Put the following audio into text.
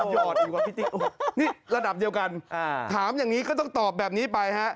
หยอดดีกว่าพี่ติ๊กนี่ระดับเดียวกันถามอย่างนี้ก็ต้องตอบแบบนี้ไปฮะ